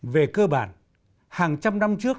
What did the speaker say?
về cơ bản hàng trăm năm trước